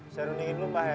saya runingin dulu mbah ya